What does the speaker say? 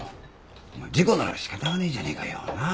お前事故ならしかたがねえじゃねえかよなっ。